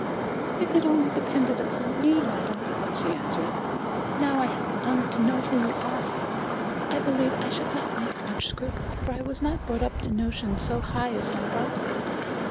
"If it only depended upon me, madam," she answered, "now I have the honour to know who you are, I believe I should not make much scruple, for I was not brought up to notions so high as my brother.